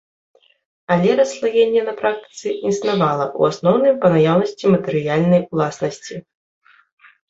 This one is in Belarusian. Але расслаенне на практыцы існавала, у асноўным па наяўнасці матэрыяльнай уласнасці.